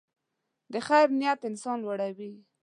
د خیر نیت انسان لوړوي.